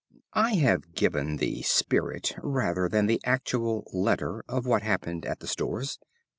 I have given the spirit rather than the actual letter, of what happened at the Stores.